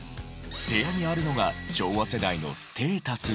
部屋にあるのが昭和世代のステータスだった。